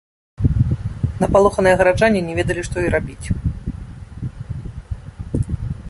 Напалоханыя гараджане не ведалі што і рабіць.